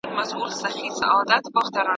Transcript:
ښځې به شاملې وي.